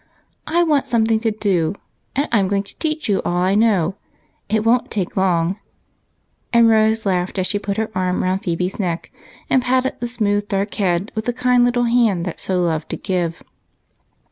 I want something to do, and I'm going to teach you all I know ; it won't take long," and Rose laughed as she put her arm around Phebe's neck, and patted the smooth dark head with the kind little hand that so loved to give.